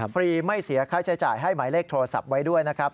ฟรีไม่เสียค่าใช้จ่ายให้หมายเลขโทรศัพท์ไว้ด้วยนะครับ